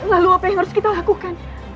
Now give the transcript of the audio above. lalu apa yang harus kita lakukan